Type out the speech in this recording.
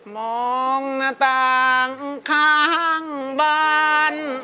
มองหน้าต่างข้างบ้าน